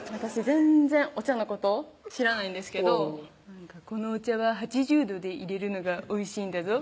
全然お茶のこと知らないんですけど「このお茶は８０度で入れるのがおいしいんだぞ」